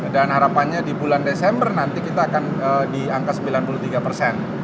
dan harapannya di bulan desember nanti kita akan di angka sembilan puluh tiga persen